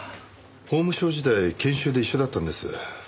法務省時代研修で一緒だったんです。